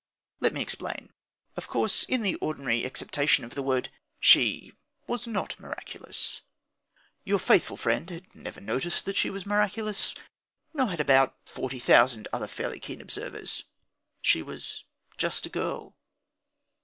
Let me explain. Of course, in the ordinary acceptation of the word, she was not miraculous. Your faithful friend had never noticed that she was miraculous, nor had about forty thousand other fairly keen observers. She was just a girl.